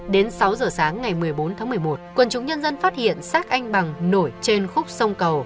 đến sáu giờ sáng ngày một mươi bốn tháng một mươi một quần chúng nhân dân phát hiện xác anh bằng nổi trên khúc sông cầu